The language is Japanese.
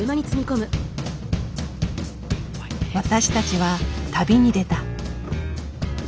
私たちは旅に出た。